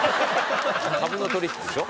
株の取引でしょ？